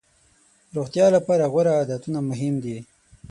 روغتیا لپاره غوره عادتونه مهم دي.